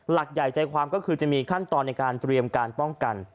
หลักใหญ่ใจความก็คือจะมีขั้นตอนในการเตรียมการป้องกัน